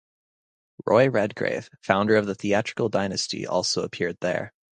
Roy Redgrave, founder of the theatrical dynasty also appeared there.